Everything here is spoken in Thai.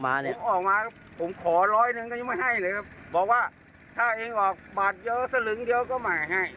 บอกว่าถ้าเองออกบาทเยอะสลึงเดียวก็มาให้